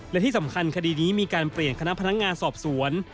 และที่สำคัญคดีนี้มีการเปลี่ยนคณะพนักงานสอบสวน